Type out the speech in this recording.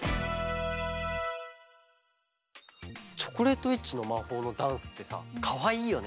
「チョコレートウィッチの魔法」のダンスってさかわいいよね。